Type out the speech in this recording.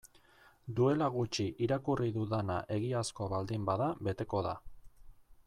Duela gutxi irakurri dudana egiazkoa baldin bada beteko da.